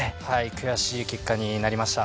悔しい結果になりました。